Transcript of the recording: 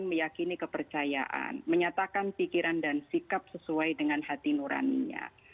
meyakini kepercayaan menyatakan pikiran dan sikap sesuai dengan hati nuraninya